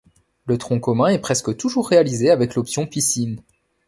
Le tronc commun est presque toujours réalisé avec l'option piscine.